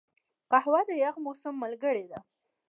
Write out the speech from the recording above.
قهوه د یخ موسم ملګرې ده